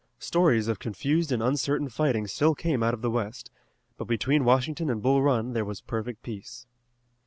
Stories of confused and uncertain fighting still came out of the west, but between Washington and Bull Run there was perfect peace.